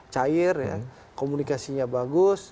cair ya komunikasinya bagus